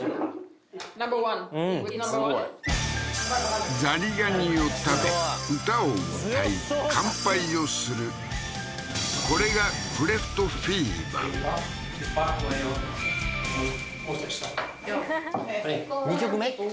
ナンバーワンナンバーワンザリガニを食べ歌を歌い乾杯をするこれがクレフトフィーヴァはははっ２曲目？